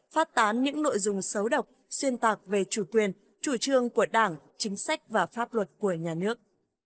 phát tán những nội dung xấu độc xuyên tạc về chủ quyền chủ trương của đảng chính sách và pháp luật của nhà nước